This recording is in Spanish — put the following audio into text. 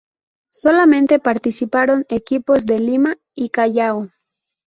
Solamente participaron equipos de Lima y Callao.